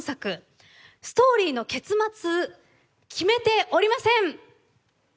ストーリーの結末決めておりません！